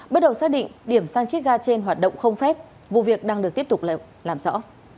bước đầu xác định điểm sang chiếc ga trên hoạt động không phép vụ việc đang được tiếp tục làm rõ